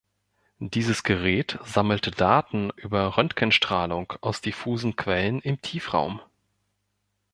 Dieses Gerät sammelte Daten über Röntgenstrahlung aus diffusen Quellen im Tiefraum.